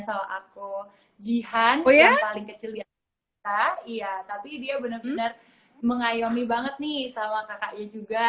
sama aku jihan oh ya paling kecil ya iya tapi dia bener bener mengayomi banget nih sama kakaknya juga